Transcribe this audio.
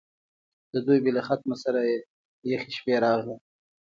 د دوبي له ختمه سره یخې شپې راغلې.